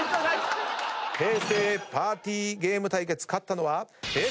平成パーティーゲーム対決勝ったのはＨｅｙ！